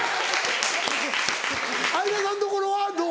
相田さんのところはどう？